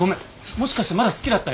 もしかしてまだ好きだった？